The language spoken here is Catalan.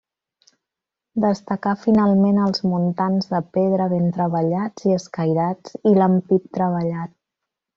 Destacar finalment els muntants de pedra ben treballats i escairats i l'ampit treballat.